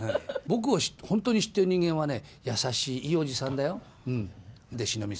僕を本当に知っている人間はね、優しいいいおじさんだよ。